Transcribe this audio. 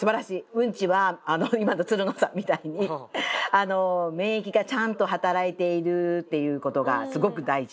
うんちは今のつるのさんみたいにあの免疫がちゃんと働いているっていうことがすごく大事。